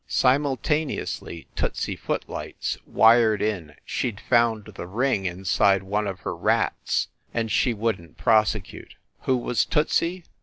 Simultaneously, Tootsy Footlights wired in that she d found the ring inside one of her rats, and she wouldn t prose cute. Who was Tootsy?